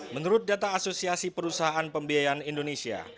menurut data asosiasi perusahaan pembiayaan indonesia